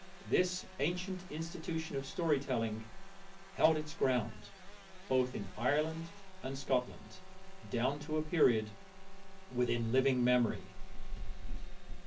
This ancient institution of story telling held its ground both in Ireland and Scotland down to a period within living memory.